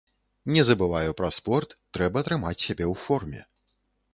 Не забываю пра спорт, трэба трымаць сябе ў форме.